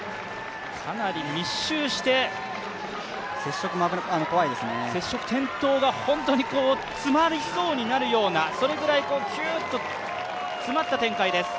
かなり密集して接触、転倒が、本当に詰まりそうになるようなそれぐらいキューッと詰まった展開です。